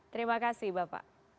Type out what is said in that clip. terima kasih bapak